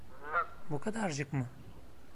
Bu kadarcık mı?